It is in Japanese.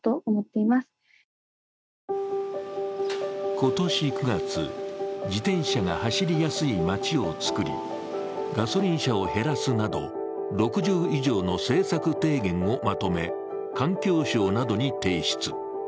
今年９月、自転車が走りやすい街を作り、ガソリン車を減らすなど６０以上の政策提言をまとめ、環境省などに提出。